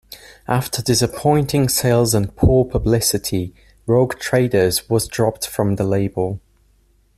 After disappointing sales and poor publicity, Rogue Traders was dropped from the label.